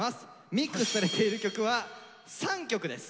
ミックスされている曲は３曲です。